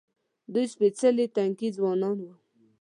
دوی سپېڅلي تنکي ځوانان وو.